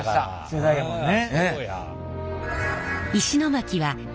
世代やもんね。